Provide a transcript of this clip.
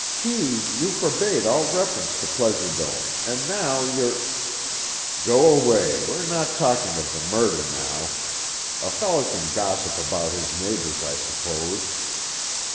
"Kee, you forbade all reference to Pleasure Dome and now you're——" "Go away, we're not talking of the murder now. A fellow can gossip about his neighbours, I suppose."